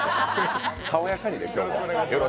爽やかにね、今日も。